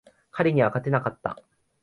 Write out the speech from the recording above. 彼には勝てなかった。